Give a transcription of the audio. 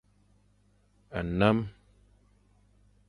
Nnem.